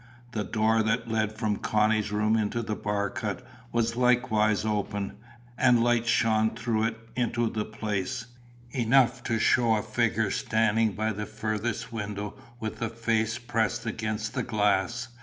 The door that led from Connie's room into the bark hut was likewise open, and light shone through it into the place enough to show a figure standing by the furthest window with face pressed against the glass.